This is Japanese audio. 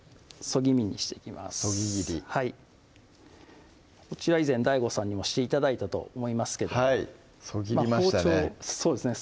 削ぎ切りこちら以前ＤＡＩＧＯさんにもして頂いたと思いますけどもそぎりましたね